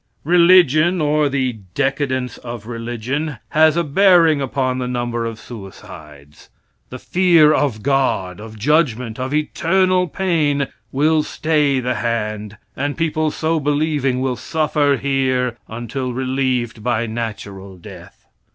Religion, or the decadence of religion, has a bearing upon the number of suicides. The fear of "God," of judgment, of eternal pain will stay the hand, and people so believing will suffer here until relieved by natural death.